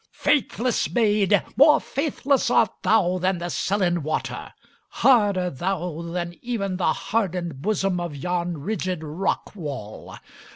"Faithless maid, more faithless art thou than the sullen water! Harder thou than even the hardened bosom of yon rigid rockwall!